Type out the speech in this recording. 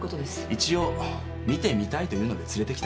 一応見てみたいと言うので連れてきただけです。